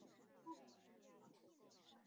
库尔布宗。